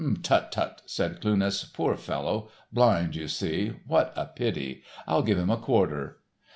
"Tut, tut," said Cluness, "poor fellow, blind, you see, what a pity, I'll give him a quarter."